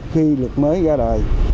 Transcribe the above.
khi lực mới ra đời